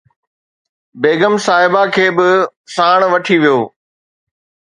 بيگم صاحبه کي به ساڻ وٺي ويو